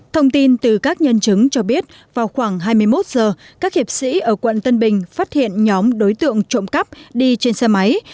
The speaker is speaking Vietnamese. thông tin từ các nhân chứng cho biết vào khoảng hai mươi một giờ các hiệp sĩ ở quận tân bình phát hiện nhóm đối tượng trộm cắp đi trên xe máy